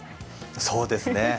そうですね。